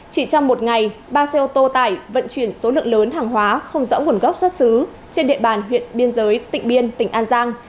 chỉ trong một ngày ba xe ô tô tải vận chuyển số lượng lớn hàng hóa không rõ nguồn gốc xuất xứ trên địa bàn huyện biên giới tỉnh biên tỉnh an giang